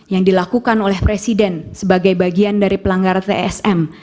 yang dilakukan oleh presiden sebagai bagian dari pelanggaran tsm